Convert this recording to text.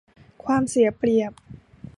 ความเสียเปรียบ